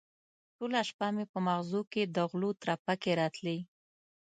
ټوله شپه مې په مغزو کې د غلو ترپکې راتلې.